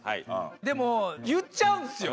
でも言っちゃうんですよ！